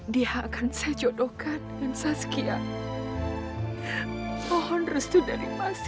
dia akan saya jodohkan dengan saya sekian mohon restu dari mas ya